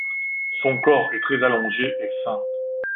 Son corps est très allongé et fin.